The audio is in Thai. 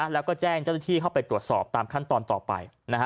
แล้วก็แจ้งเจ้าหน้าที่เข้าไปตรวจสอบตามขั้นตอนต่อไป